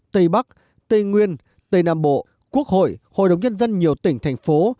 tây bắc tây nguyên tây nam bộ quốc hội hội đồng nhân dân nhiều tỉnh thành phố